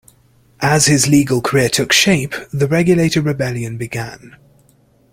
As his legal career took shape, the Regulator Rebellion began.